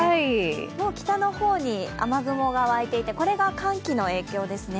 もう北の方に雨雲が湧いていて、これが寒気の影響ですね。